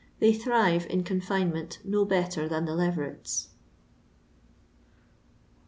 18j: They thrive, in confinement, no better than the leTereta.